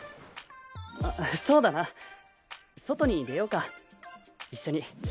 そうだな外に出ようか一緒に。